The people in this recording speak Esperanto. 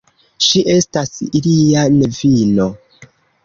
Ŝi estas ilia nevino.